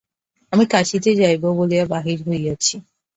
আমি কাশীতে যাইব বলিয়া বাহির হইয়াছি।